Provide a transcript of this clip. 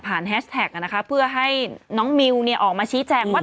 แฮชแท็กนะคะเพื่อให้น้องมิวออกมาชี้แจงว่า